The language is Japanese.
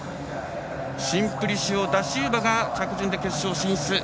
シンプリシオダシウバが着順で決勝進出。